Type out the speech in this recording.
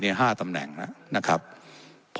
และยังเป็นประธานกรรมการอีก